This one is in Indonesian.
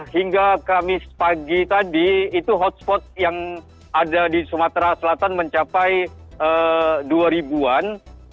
hingga kamis pagi tadi itu hotspot yang ada di sumatera selatan mencapai dua ribu an